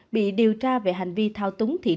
bị điều tra về hành vi thao túng thị